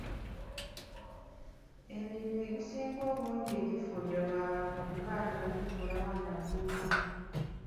Emirimu egisinga obungi gifudde olw'abantu okugaanibwa okuggulawo amadduuka.